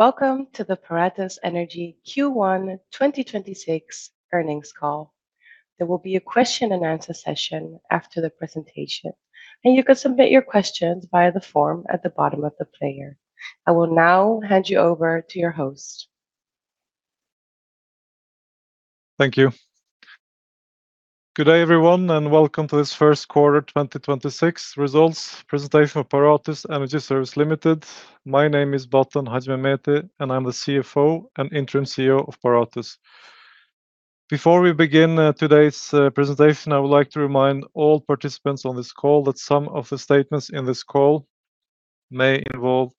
Welcome to the Paratus Energy Q1 2026 Earnings Call. There will be a question and answer session after the presentation, and you can submit your questions via the form at the bottom of the player. I will now hand you over to your host. Thank you. Good day, everyone, and welcome to this First Quarter 2026 Results Presentation for Paratus Energy Services Limited. My name is Baton Haxhimehmedi, I'm the CFO and interim CEO of Paratus. Before we begin today's presentation, I would like to remind all participants on this call that some of the statements in this call may involve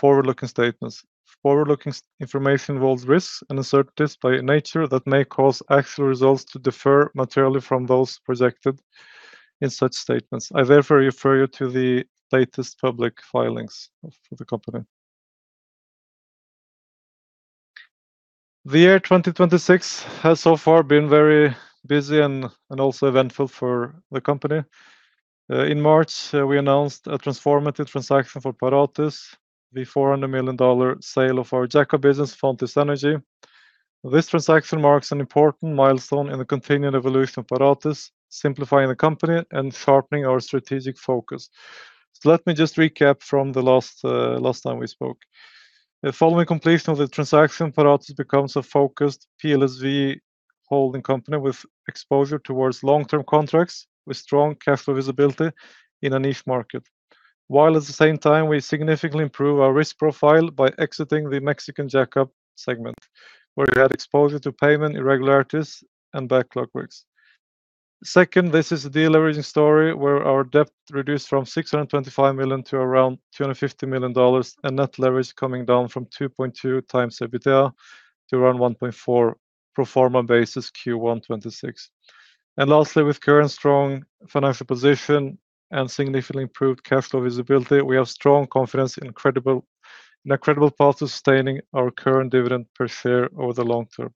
forward-looking statements. Forward-looking information involves risks and uncertainties by nature that may cause actual results to differ materially from those projected in such statements. I therefore refer you to the latest public filings of the company. The year 2026 has so far been very busy and also eventful for the company. In March, we announced a transformative transaction for Paratus, the $400 million sale of our jack-up business, Fontis Energy. This transaction marks an important milestone in the continuing evolution of Paratus, simplifying the company and sharpening our strategic focus. Let me just recap from the last time we spoke. Following completion of the transaction, Paratus becomes a focused PLSV holding company with exposure towards long-term contracts with strong cash flow visibility in a niche market. While at the same time, we significantly improve our risk profile by exiting the Mexican jack-up segment, where we had exposure to payment irregularities and backlog risks. Second, this is a de-leveraging story where our debt reduced from $625 million to around $250 million, and net leverage coming down from 2.2x EBITDA to around 1.4x pro forma basis Q1 2026. Lastly, with current strong financial position and significantly improved cash flow visibility, we have strong confidence in a credible path to sustaining our current dividend per share over the long term.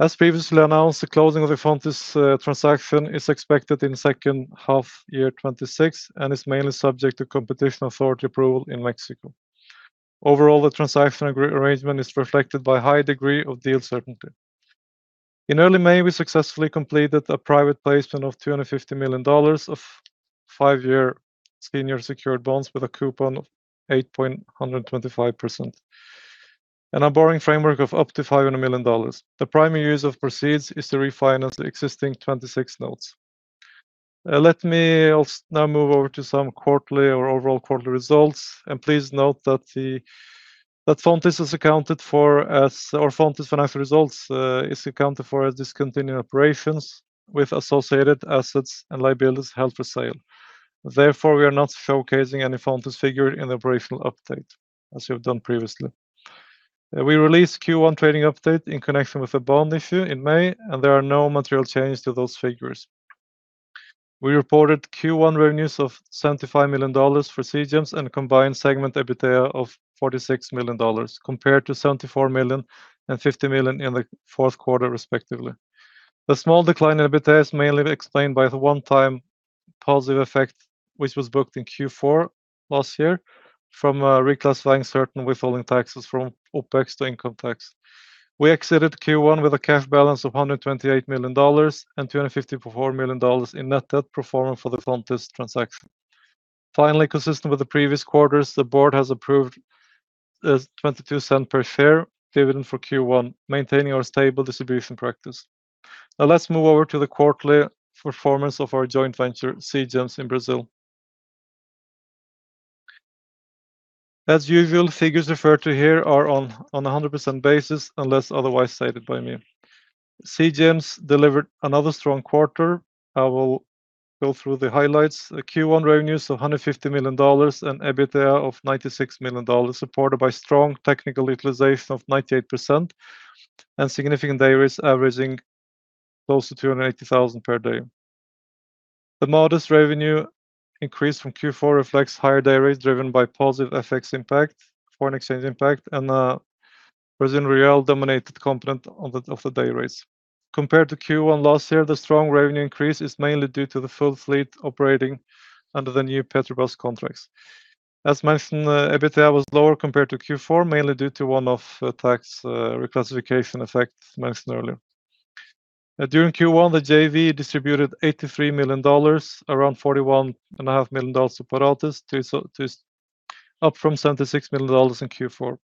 As previously announced, the closing of the Fontis transaction is expected in the second half year 2026 and is mainly subject to competition authority approval in Mexico. Overall, the transaction arrangement is reflected by a high degree of deal certainty. In early May, we successfully completed a private placement of $250 million of 5 year senior secured bonds with a coupon of 8.125% and a borrowing framework of up to $500 million. The primary use of proceeds is to refinance the existing 2026 notes. Let me now move over to some overall quarterly results, and please note that our Fontis financial results is accounted for as discontinued operations with associated assets and liabilities held for sale. Therefore, we are not showcasing any Fontis figure in the operational update as we have done previously. We released Q1 trading update in connection with the bond issue in May, and there are no material changes to those figures. We reported Q1 revenues of $75 million for Seagems and a combined segment EBITDA of $46 million, compared to $74 million and $50 million in the fourth quarter, respectively. The small decline in EBITDA is mainly explained by the one-time positive effect which was booked in Q4 last year from reclassifying certain withholding taxes from OPEX to income tax. We exited Q1 with a cash balance of $128 million and $254 million in net debt pro forma for the Fontis transaction. Finally, consistent with the previous quarters, the board has approved a $0.22 per share dividend for Q1, maintaining our stable distribution practice. Let's move over to the quarterly performance of our joint venture, Seagems, in Brazil. As usual, figures referred to here are on 100% basis unless otherwise stated by me. Seagems delivered another strong quarter. I will go through the highlights. Q1 revenues of $150 million and EBITDA of $96 million, supported by strong technical utilization of 98% and significant day rates averaging close to $280,000 per day. The modest revenue increase from Q4 reflects higher day rates driven by positive FX impact, foreign exchange impact, and a Brazilian real dominated component of the day rates. Compared to Q1 last year, the strong revenue increase is mainly due to the full fleet operating under the new Petrobras contracts. As mentioned, EBITDA was lower compared to Q4, mainly due to one-off tax reclassification effect mentioned earlier. During Q1, the JV distributed $83 million, around $41.5 million to Paratus, up from $76 million in Q4.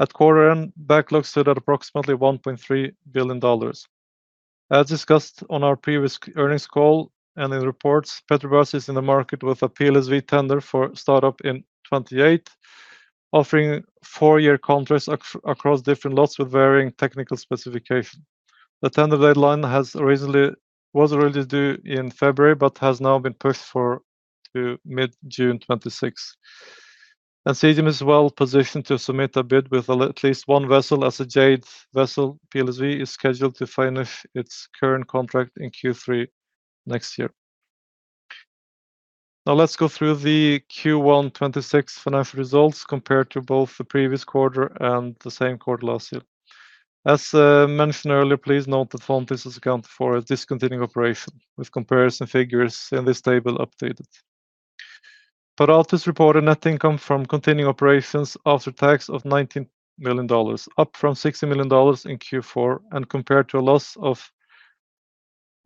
At quarter end, backlogs stood at approximately $1.3 billion. As discussed on our previous earnings call and in reports, Petrobras is in the market with a PLSV tender for start-up in 2028, offering 4 year contracts across different lots with varying technical specification. The tender deadline was originally due in February has now been pushed to mid-June 2026. Seagems is well-positioned to submit a bid with at least one vessel as a Jade vessel. PLSV is scheduled to finish its current contract in Q3 next year. Now let's go through the Q1 2026 financial results compared to both the previous quarter and the same quarter last year. As mentioned earlier, please note that Fontis is accounted for as discontinued operation with comparison figures in this table updated. Paratus reported net income from continuing operations after tax of $19 million, up from $16 million in Q4, and compared to a loss of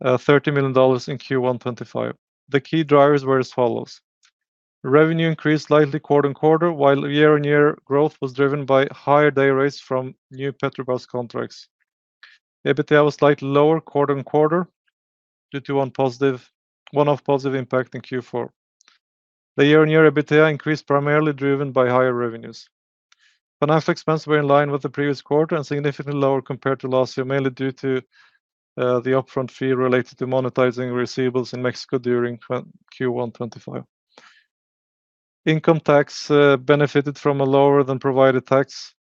$30 million in Q1 2025. The key drivers were as follows: revenue increased slightly quarter-on-quarter, while year-on-year growth was driven by higher day rates from new Petrobras contracts. EBITDA was slightly lower quarter-on-quarter due to one-off positive impact in Q4. The year-on-year EBITDA increased primarily driven by higher revenues. Financial expenses were in line with the previous quarter and significantly lower compared to last year, mainly due to the upfront fee related to monetizing receivables in Mexico during Q1 2025. Income tax benefited from a lower than provided tax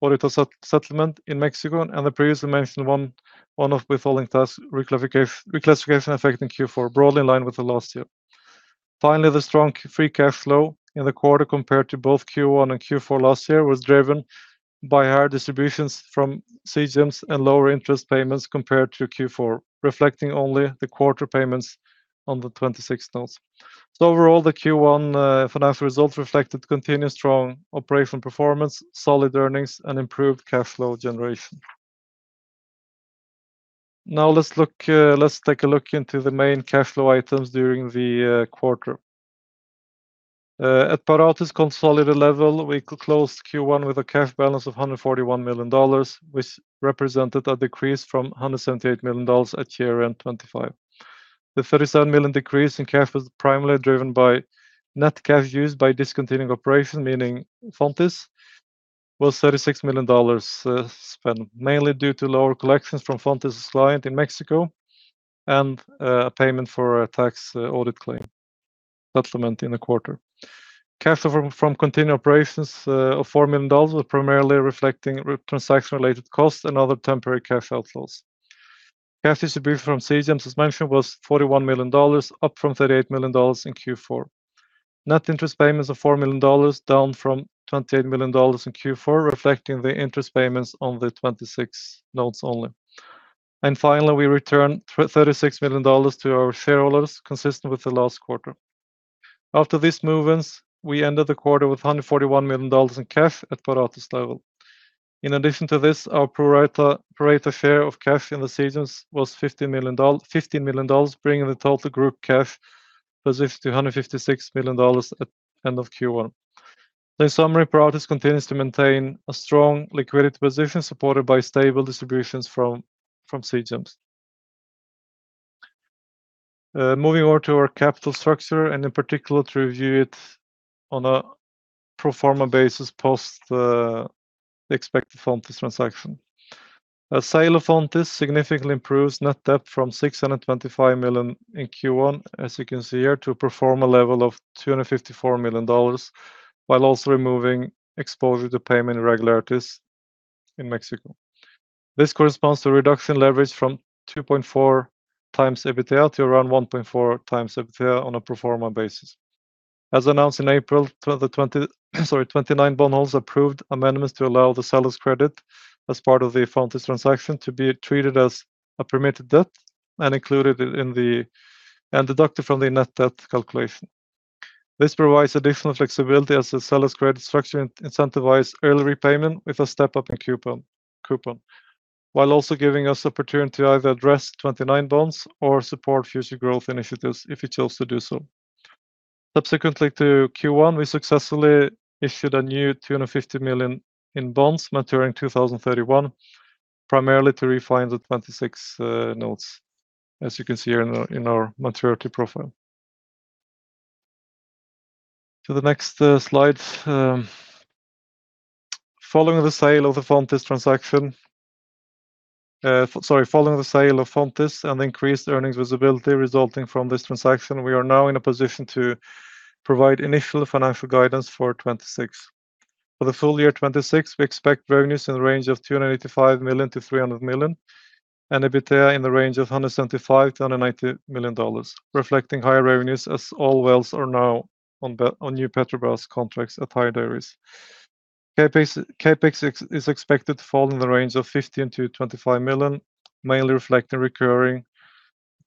audit settlement in Mexico and the previously mentioned one-off withholding tax reclassification effect in Q4, broadly in line with the last year. Finally, the strong free cash flow in the quarter compared to both Q1 and Q4 last year was driven by higher distributions from Seagems and lower interest payments compared to Q4, reflecting only the quarter payments on the 2026 notes. Overall, the Q1 financial results reflected continued strong operational performance, solid earnings, and improved cash flow generation. Now, let's take a look into the main cash flow items during the quarter. At Paratus consolidated level, we closed Q1 with a cash balance of $141 million, which represented a decrease from $178 million at year-end 2025. The $37 million decrease in cash was primarily driven by net cash used by discontinuing operation, meaning Fontis, was $36 million spent mainly due to lower collections from Fontis client in Mexico and a payment for a tax audit claim settlement in the quarter. Cash from continued operations of $4 million was primarily reflecting transaction-related costs and other temporary cash outflows. Cash distribution from Seagems, as mentioned, was $41 million, up from $38 million in Q4. Net interest payments of $4 million, down from $28 million in Q4, reflecting the interest payments on the 2026 notes only. Finally, we returned $36 million to our shareholders, consistent with the last quarter. After these movements, we ended the quarter with $141 million in cash at Paratus level. In addition to this, our pro rata share of cash in the Seagems was $15 million, bringing the total group cash position to $156 million at end of Q1. In summary, Paratus continues to maintain a strong liquidity position supported by stable distributions from Seagems. Moving over to our capital structure, and in particular, to review it on a pro forma basis post the expected Fontis transaction. Sale of Fontis significantly improves net debt from $625 million in Q1, as you can see here, to pro forma level of $254 million, while also removing exposure to payment irregularities in Mexico. This corresponds to a reduction in leverage from 2.4x EBITDA to around 1.4x EBITDA on a pro forma basis. As announced in April 2029 bondholders approved amendments to allow the seller's credit as part of the Fontis transaction to be treated as a permitted debt and deducted from the net debt calculation. This provides additional flexibility as the seller's credit structure incentivize early repayment with a step-up in coupon, while also giving us opportunity to either address 2029 bonds or support future growth initiatives if we chose to do so. Subsequently to Q1, we successfully issued a new $250 million in bonds maturing in 2031, primarily to refine the 2026 notes, as you can see here in our maturity profile. To the next slide. Following the sale of Fontis and increased earnings visibility resulting from this transaction, we are now in a position to provide initial financial guidance for 2026. For the full year 2026, we expect revenues in the range of $285 million-$300 million and EBITDA in the range of $175 million-$190 million, reflecting higher revenues as all vessels are now on new Petrobras contracts at higher day rates. CapEx is expected to fall in the range of $15 million-$25 million, mainly reflecting recurring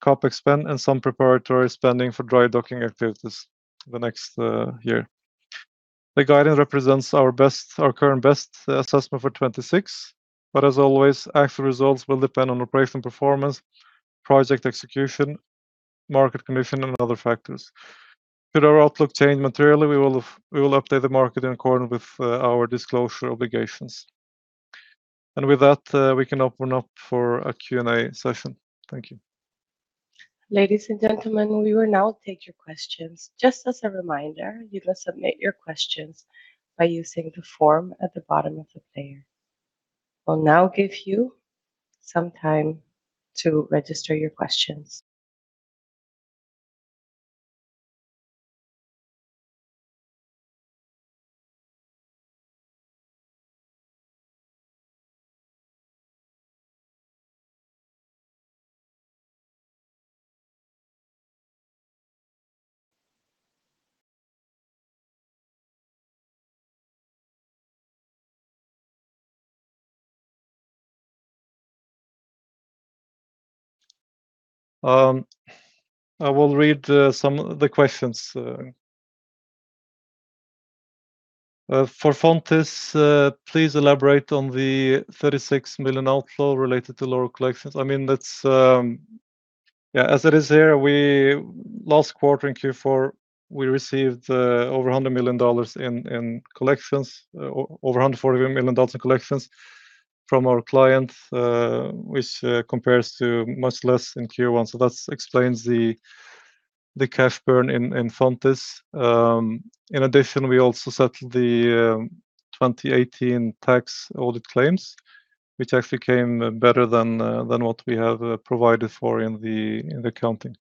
CapEx spend and some preparatory spending for dry docking activities in the next year. The guidance represents our current best assessment for 2026, but as always, actual results will depend on operational performance, project execution, market condition, and other factors. Should our outlook change materially, we will update the market in accordance with our disclosure obligations. With that, we can open up for a Q&A session. Thank you. Ladies and gentlemen, we will now take your questions. Just as a reminder, you can submit your questions by using the form at the bottom of the player. We'll now give you some time to register your questions. I will read some of the questions. For Fontis, please elaborate on the $36 million outflow related to lower collections. As it is here, last quarter in Q4, we+ received over $140 million in collections from our clients, which compares to much less in Q1. That explains the cash burn in Fontis. In addition, we also settled the 2018 tax audit claims, which actually came better than what we have provided for in the accounting.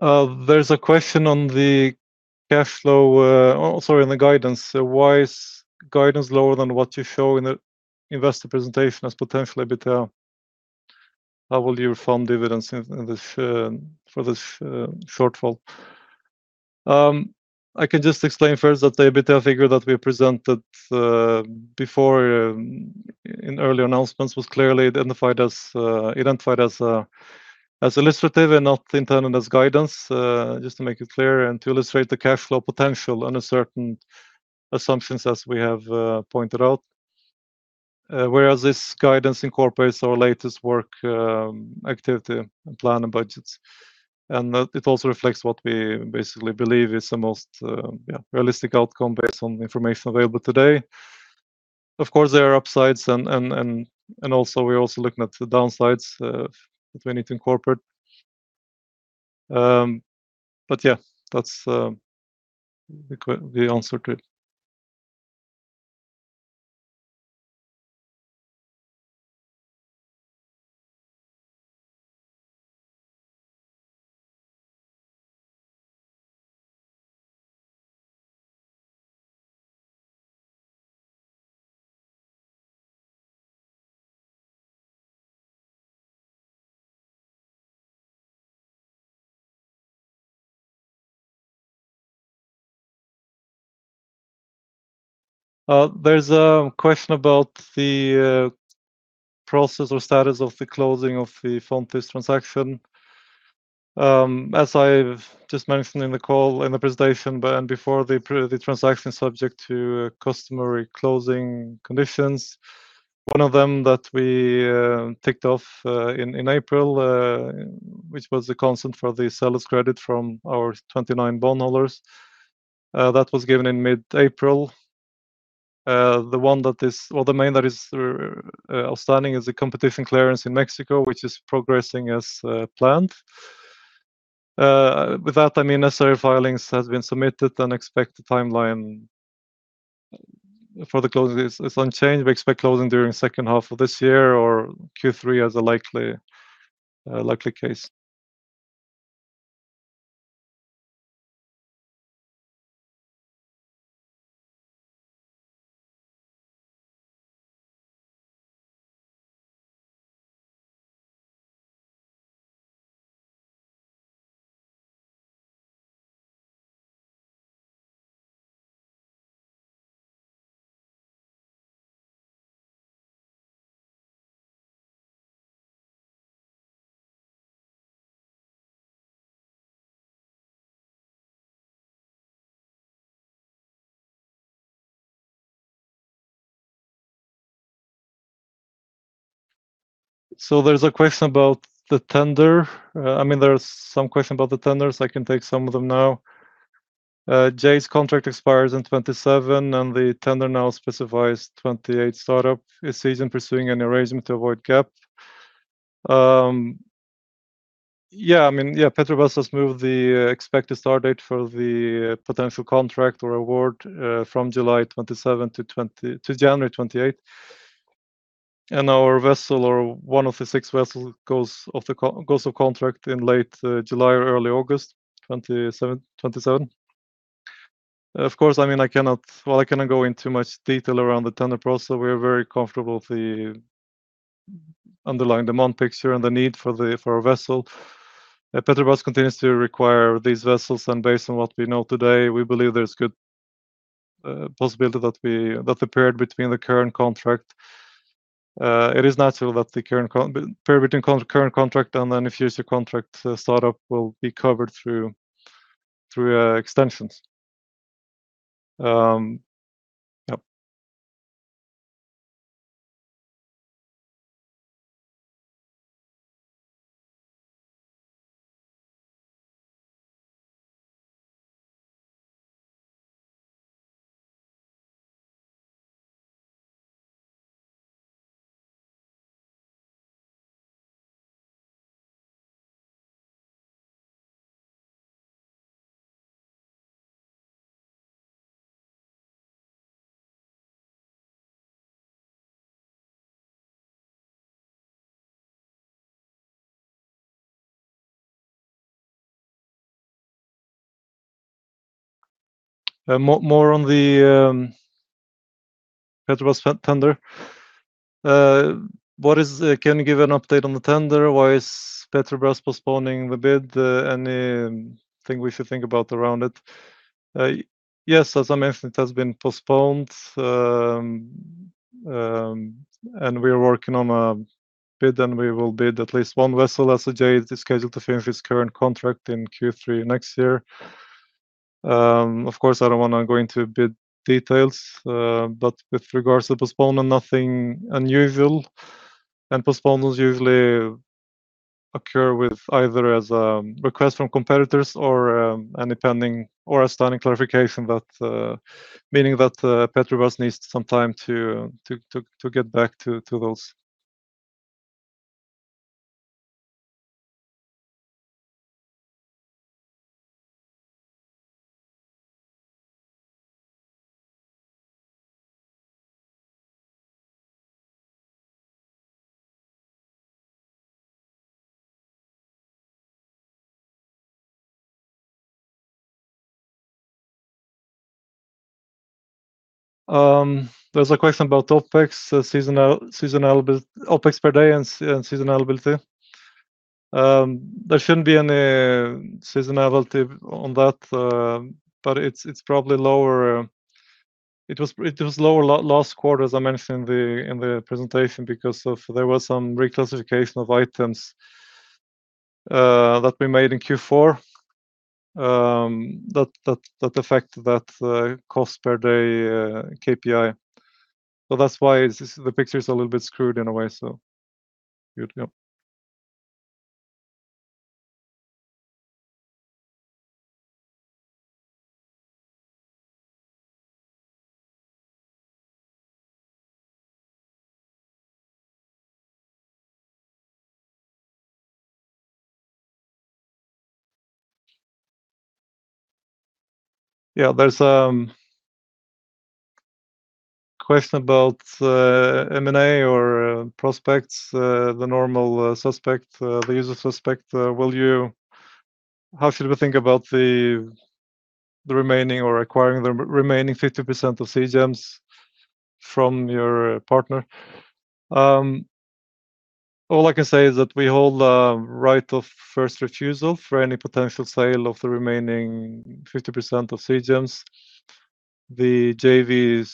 There's a question on the guidance. Why is guidance lower than what you show in the investor presentation as potential EBITDA? How will you fund dividends for this shortfall? I can just explain first that the EBITDA figure that we presented before in early announcements was clearly identified as illustrative and not intended as guidance, just to make it clear and to illustrate the cash flow potential under certain assumptions as we have pointed out. This guidance incorporates our latest work activity and plan and budgets. It also reflects what we basically believe is the most realistic outcome based on the information available today. Of course, there are upsides and we're also looking at the downsides if we need to incorporate. Yeah, that's the answer to it. There's a question about the process or status of the closing of the Fontis transaction. As I've just mentioned in the call, in the presentation and before, the transaction is subject to customary closing conditions. One of them that we ticked off in April, which was the consent for the seller's credit from our 2029 bondholders. That was given in mid-April. The main that is outstanding is the competition clearance in Mexico, which is progressing as planned. With that, necessary filings has been submitted and expected timeline for the closing is unchanged. We expect closing during second half of this year or Q3 as a likely case. There's a question about the tender. There's some question about the tenders. I can take some of them now. Jade's contract expires in 2027, and the tender now specifies 2028 startup. Is Seagems pursuing an arrangement to avoid gap? Yeah. Petrobras has moved the expected start date for the potential contract or award from July 2027 to January 2028. Our vessel or one of the six vessels goes off contract in late July or early August 2027. Of course, I cannot go into much detail around the tender process. We are very comfortable with the underlying demand picture and the need for our vessel. Petrobras continues to require these vessels, and based on what we know today, we believe there's good possibility that the period between the current contract, and it is natural that the period between current contract and then a future contract startup will be covered through extensions. More on the Petrobras tender. Can you give an update on the tender? Why is Petrobras postponing the bid? Anything we should think about around it? Yes, as I mentioned, it has been postponed, and we are working on a bid, and we will bid at least one vessel as the JV is scheduled to finish its current contract in Q3 next year. Of course, I don't want to go into bid details. With regards to postponement, nothing unusual. Postponements usually occur either as a request from competitors or a standing clarification, meaning that Petrobras needs some time to get back to those. There's a question about OPEX per day and seasonality. There shouldn't be any seasonality on that. It was lower last quarter, as I mentioned in the presentation, because there was some reclassification of items that we made in Q4 that affect that cost per day KPI. That's why the picture is a little bit screwed in a way. Good to go. There's a question about M&A or prospects, the usual suspect. How should we think about acquiring the remaining 50% of Seagems from your partner? All I can say is that we hold a right of first refusal for any potential sale of the remaining 50% of Seagems. The JVs,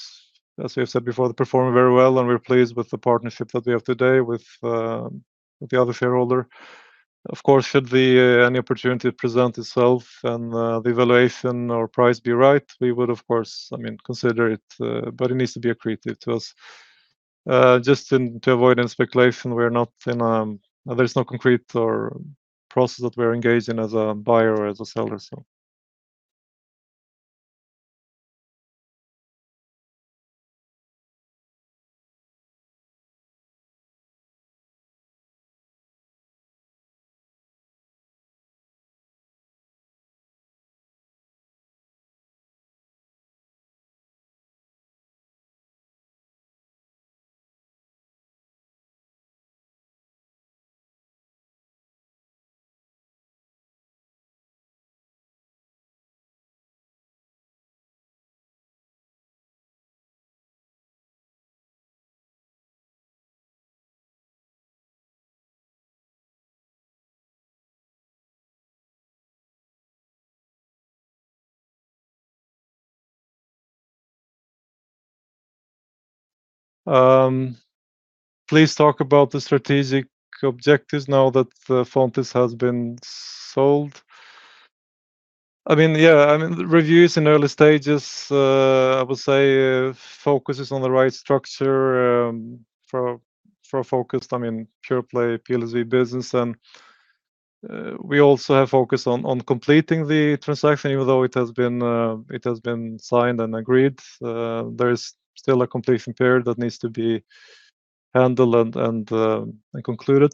as we have said before, they're performing very well, and we're pleased with the partnership that we have today with the other shareholder. Of course, should any opportunity present itself and the valuation or price be right, we would, of course, consider it, but it needs to be accretive to us. Just to avoid any speculation, there is no concrete process that we are engaged in as a buyer or as a seller. Please talk about the strategic objectives now that Fontis has been sold. Reviews in early stages, I would say focus is on the right structure for a focused pure-play PLSV business. We also have focus on completing the transaction. Even though it has been signed and agreed, there is still a completion period that needs to be handled and concluded.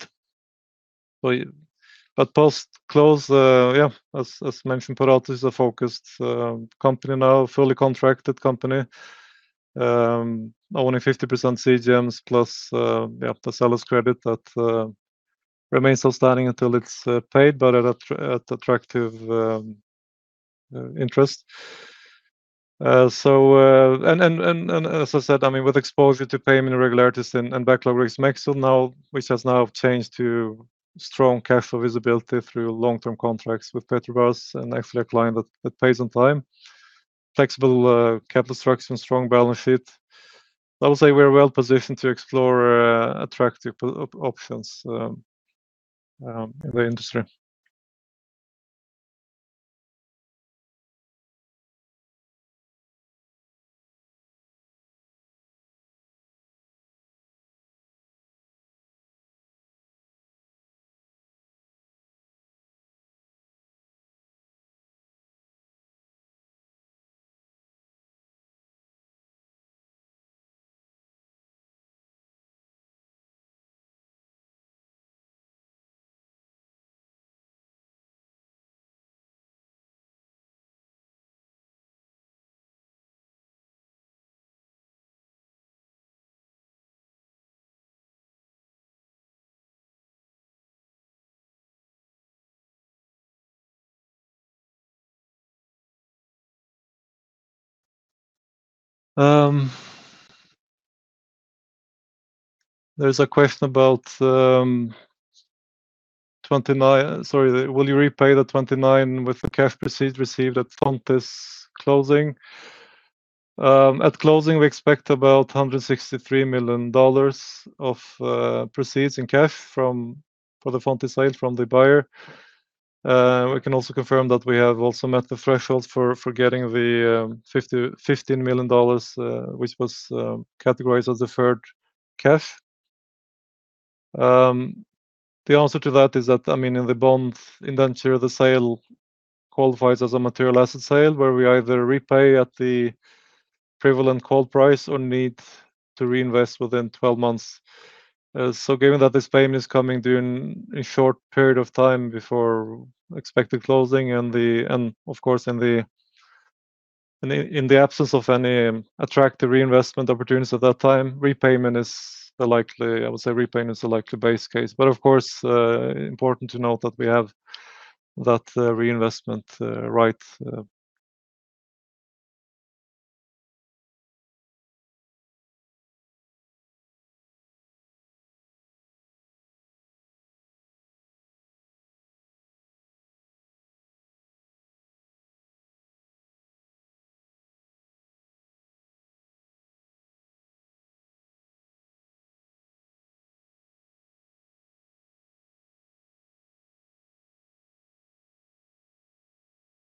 Post-close, yeah, as mentioned, Paratus is a focused company now, a fully contracted company, owning 50% Seagems, plus the seller's credit that remains outstanding until it's paid, but at attractive interest. As I said, with exposure to payment irregularities and backlog risk mixed, which has now changed to strong cash flow visibility through long-term contracts with Petrobras, an excellent client that pays on time. Flexible capital structure and strong balance sheet. I would say we're well-positioned to explore attractive options in the industry. There's a question about, will you repay the $29 with the cash proceeds received at Fontis closing? Closing, we expect about $163 million of proceeds in cash for the Fontis sale from the buyer. We can also confirm that we have also met the threshold for getting the $15 million, which was categorized as deferred cash. The answer to that is that in the bond indenture, the sale qualifies as a material asset sale where we either repay at the prevalent call price or need to reinvest within 12 months. Given that this payment is coming during a short period of time before expected closing, and of course, in the absence of any attractive reinvestment opportunities at that time, I would say repayment is the likely base case. Of course, important to note that we have that reinvestment right.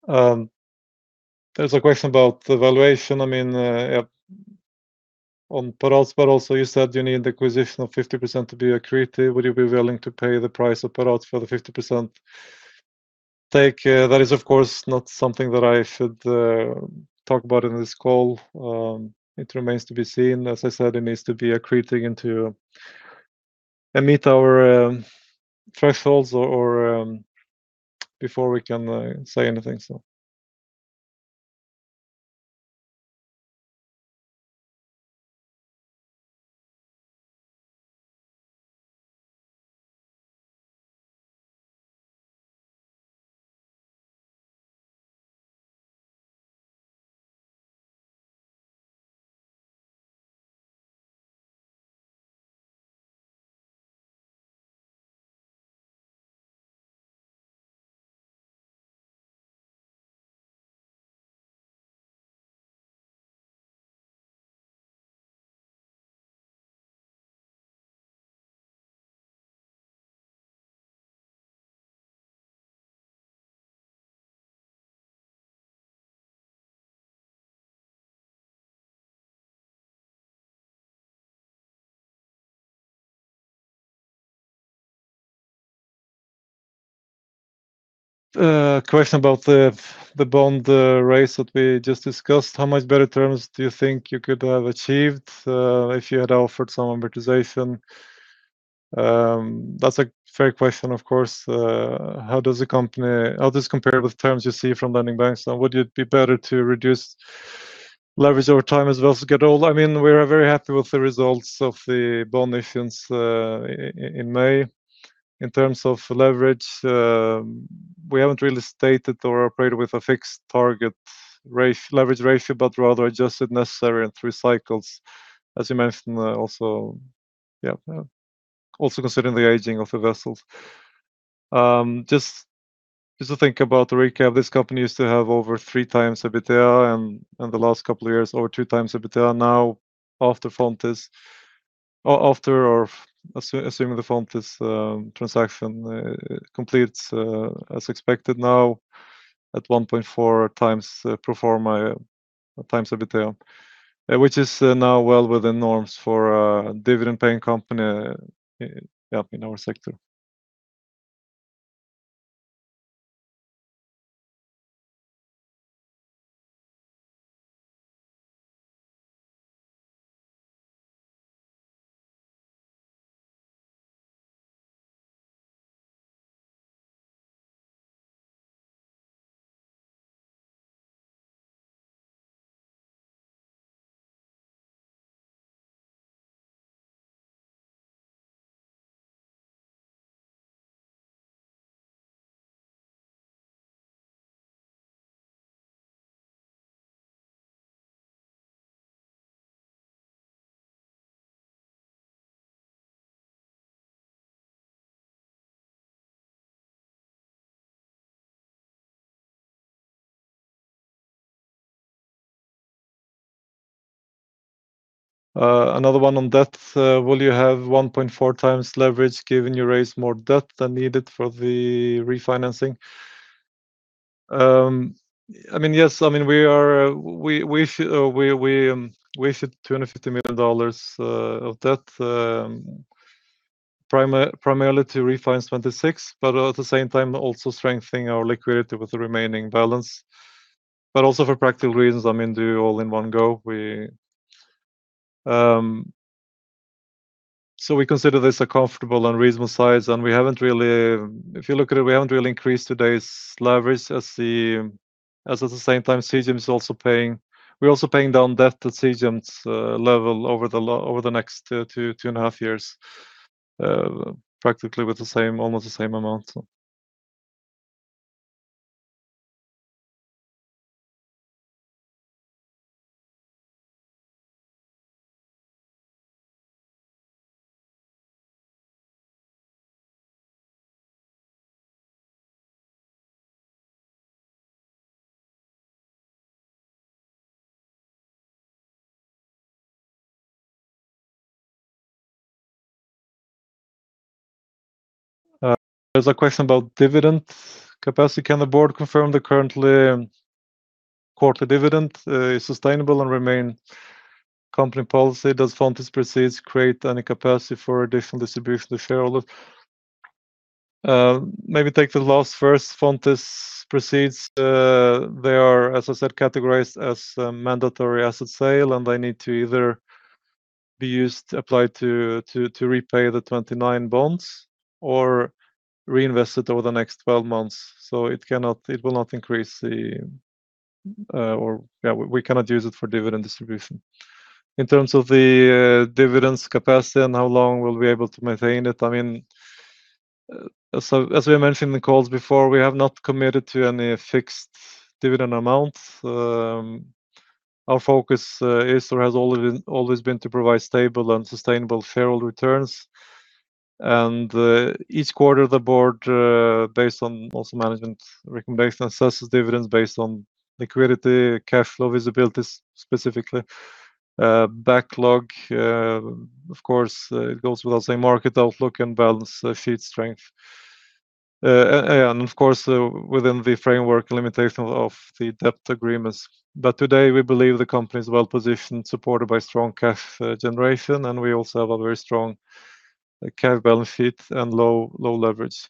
There's a question about the valuation. On Paratus, you said you need the acquisition of 50% to be accretive. Would you be willing to pay the price of Paratus for the 50% stake? That is, of course, not something that I should talk about in this call. It remains to be seen. As I said, it needs to be accreting and meet our thresholds before we can say anything. A question about the bond raise that we just discussed. "How much better terms do you think you could have achieved if you had offered some amortization?" That's a fair question, of course. "How does this compare with terms you see from lending banks now? Would it be better to reduce leverage over time as vessels get old?" We are very happy with the results of the bond issuance in May. In terms of leverage, we haven't really stated or operated with a fixed target leverage ratio, but rather adjusted necessary in three cycles. As you mentioned also, yeah. Also considering the aging of the vessels. Just to think about the recap, this company used to have over 3x EBITDA in the last couple of years, over 2x EBITDA now after Fontis. Assuming the Fontis transaction completes as expected now at 1.4x pro forma times EBITDA, which is now well within norms for a dividend-paying company in our sector. Another one on debt. "Will you have 1.4x leverage given you raised more debt than needed for the refinancing?" Yes. We issued $250 million of debt, primarily to refinance 2026, but at the same time, also strengthening our liquidity with the remaining balance. Also, for practical reasons, do all in one go. We consider this a comfortable and reasonable size. If you look at it, we haven't really increased today's leverage as at the same time, we're also paying down debt at Seagems level over the next 2.5 years, practically with almost the same amount. There's a question about dividend capacity. "Can the board confirm the currently quarter dividend is sustainable and remain company policy? Does Fontis proceeds create any capacity for additional distribution to shareholders?" Maybe take the last first. Fontis proceeds, they are, as I said, categorized as material asset sale, and they need to either be applied to repay the 2029 bonds or reinvest it over the next 12 months. We cannot use it for dividend distribution. In terms of the dividends capacity and how long we'll be able to maintain it, as we mentioned in the calls before, we have not committed to any fixed dividend amount. Our focus is or has always been to provide stable and sustainable shareholder returns. Each quarter, the board, based on also management recommendation, assesses dividends based on liquidity, cash flow visibility specifically, backlog, of course, it goes without saying, market outlook, and balance sheet strength. Of course, within the framework limitation of the debt agreements. Today, we believe the company is well-positioned, supported by strong cash generation, and we also have a very strong cash benefit and low leverage.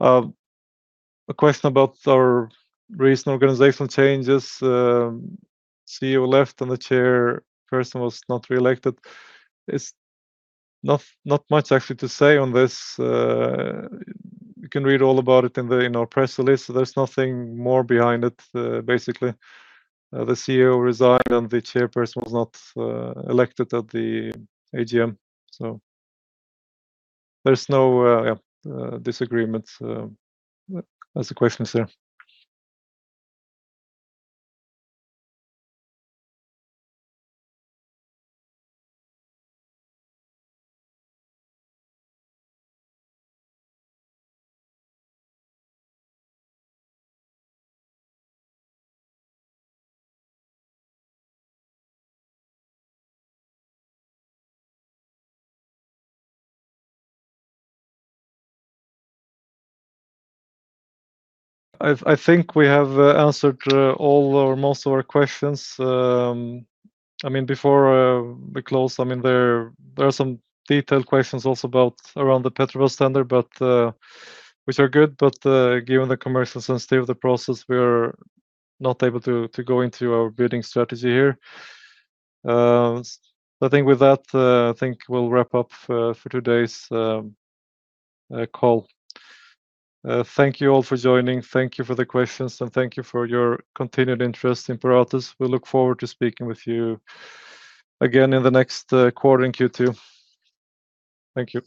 A question about our recent organizational changes. CEO left and the chairperson was not reelected. It's not much actually to say on this. You can read all about it in our press release. There's nothing more behind it. Basically, the CEO resigned, and the chairperson was not elected at the AGM. There are no disagreements as the question is there. I think we have answered all or most of our questions. Before we close, there are some detailed questions also around the Petrobras tender, which are good, but given the commercial sensitivity of the process, we are not able to go into our bidding strategy here. I think with that, I think we'll wrap up for today's call. Thank you all for joining. Thank you for the questions, and thank you for your continued interest in Paratus. We look forward to speaking with you again in the next quarter in Q2. Thank you.